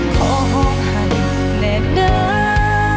พอร้องหายได้ได้